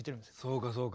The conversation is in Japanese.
そうかそうか。